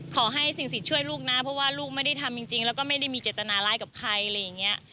ขอให้สิ่งสิทธิ์ช่วยลูกนะเพราะว่าลูกไม่ได้ทำจริงแล้วก็ไม่ได้มีเจตนาร้ายกับใครอะไรอย่างนี้